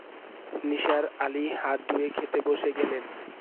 নিসার আলি হাত ধুয়ে খেতে বসে গেলেন।